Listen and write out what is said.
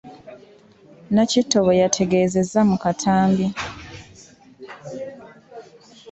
Nakitto bwe yategeezezza mu katambi.